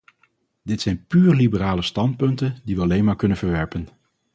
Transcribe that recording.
Dat zijn puur liberale standpunten die we alleen maar kunnen verwerpen.